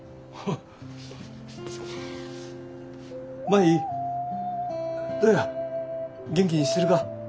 舞どや元気にしてるか？